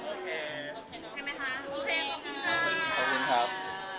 โอเคขอบคุณครับ